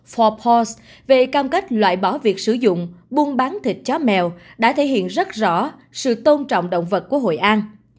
forbour về cam kết loại bỏ việc sử dụng buôn bán thịt chó mèo đã thể hiện rất rõ sự tôn trọng động vật của hội an